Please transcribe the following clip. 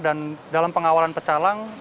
dan dalam pengawalan tersebut